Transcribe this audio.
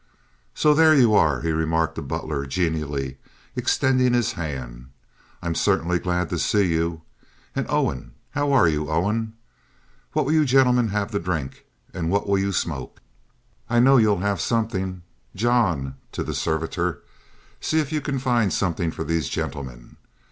"So there you are," he remarked to Butler, genially, extending his hand. "I'm certainly glad to see you. And Owen! How are you, Owen? What will you gentlemen have to drink, and what will you smoke? I know you'll have something. John"—to the servitor— "see if you can find something for these gentlemen.